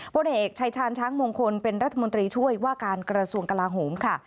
พลเอกชายชาญช้างมงคลเป็นรัฐมนตรีช่วยว่าการกระทรวงกลาโหมค่ะ